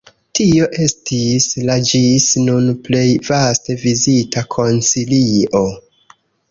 Tio estis la ĝis nun plej vaste vizitita koncilio.